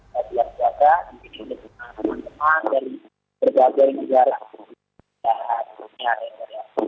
tapi kita bisa melakukan ibadah puasa